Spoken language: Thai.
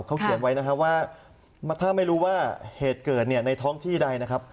เขาเขียนไว้นะครับว่าถ้าไม่รู้ว่าเหตุเกิดเนี่ยในท้องที่ใดนะครับ